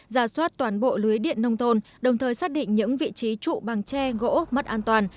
ra soát toàn bộ lưới điện nông thôn đồng thời xác định những vị trí trụ bằng tre gỗ mất an toàn